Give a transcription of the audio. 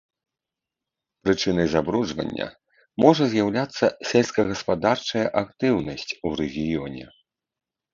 Прычынай забруджвання можа з'яўляцца сельскагаспадарчая актыўнасць у рэгіёне.